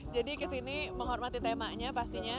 jadi kesini menghormati temanya pastinya